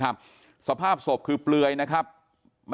กลุ่มตัวเชียงใหม่